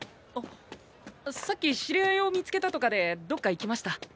あさっき知り合いを見つけたとかでどっか行きました。